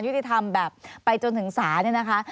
ที่ทำแบบไปจนถึงสารเนี่ยนะคะ